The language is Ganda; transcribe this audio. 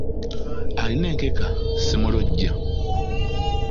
"Alina enkeka simulojja,"